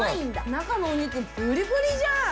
中のお肉プリプリじゃん！